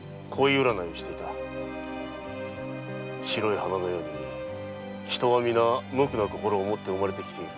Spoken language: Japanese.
白い花のように人は皆無垢な心をもって生まれてきている。